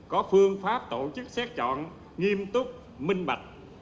có phương pháp tổ chức xét chọn nghiêm túc minh bạch